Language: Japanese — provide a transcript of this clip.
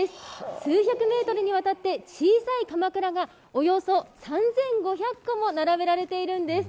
数百メートルにわたって、小さいかまくらがおよそ３５００個も並べられているんです。